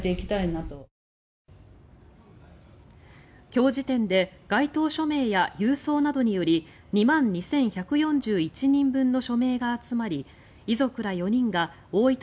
今日時点で街頭署名や郵送などにより２万２１４１人分の署名が集まり遺族ら４人が大分